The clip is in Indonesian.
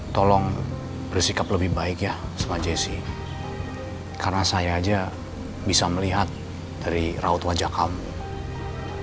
tolong bersikap lebih baik ya sama jessi karena saya aja bisa melihat dari raut wajah kamu dari keberadaan kamu dari kedatangan kamu